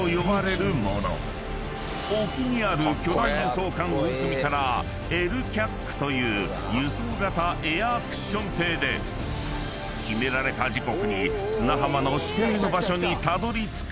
［沖にある巨大輸送艦おおすみからＬＣＡＣという輸送型エアクッション艇で決められた時刻に砂浜の指定の場所にたどりつく訓練］